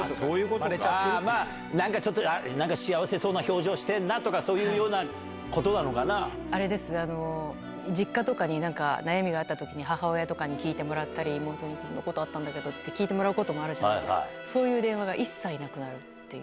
なんか幸せそうな表情してんなとか、そういうようなことなのあれです、実家とかに悩みがあったときに、母親とかに聞いてもらったり、妹にこういうことあったんだけどって聞いてもらうこともあるじゃないですか、そういう電話が一切なくなるっていう。